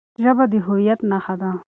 ژبه د هويت نښه ده.